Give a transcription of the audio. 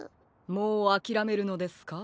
もうあきらめるのですか？